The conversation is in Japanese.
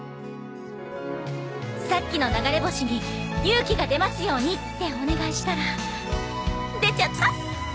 さっきの流れ星に「勇気が出ますように」ってお願いしたら出ちゃった！